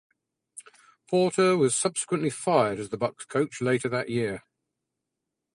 Porter was subsequently fired as the Bucks' coach later that year.